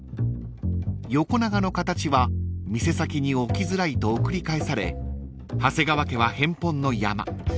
［横長の形は店先に置きづらいと送り返され長谷川家は返本の山］